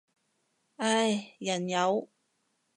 唉，人有